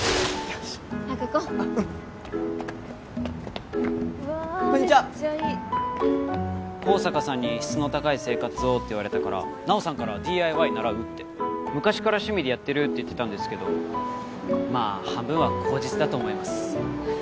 よし早く行こううんわあめっちゃいいこんにちは香坂さんに「質の高い生活を」って言われたから奈緒さんからＤＩＹ習うって昔から趣味でやってるって言ってたんですけどまあ半分は口実だと思います